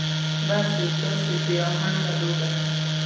بس يو داسې بې اهنګه لوبه ده.